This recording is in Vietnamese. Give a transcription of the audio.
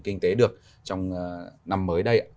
kinh tế được trong năm mới đây ạ